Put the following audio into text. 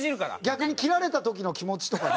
逆に切られた時の気持ちとかね。